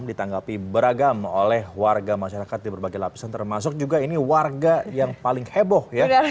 ditanggapi beragam oleh warga masyarakat di berbagai lapisan termasuk juga ini warga yang paling heboh ya